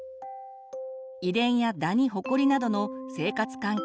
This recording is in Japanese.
遺伝やダニホコリなどの生活環境